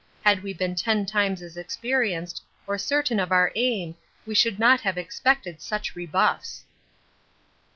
Had we been ten times as experienced or certain of our aim we should not have expected such rebuffs.